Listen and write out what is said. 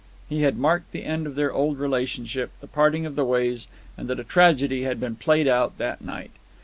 He had marked the end of their old relationship, the parting of the ways, and that a tragedy had been played out that night.